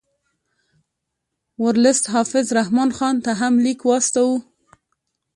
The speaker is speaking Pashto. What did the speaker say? ورلسټ حافظ رحمت خان ته هم لیک واستاوه.